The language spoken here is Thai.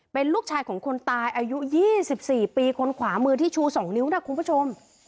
เป็นลูกชายของคนตายอายุ๒๔ปีคนขวามือที่ชู๒นิ้วนะคุณผู้ชม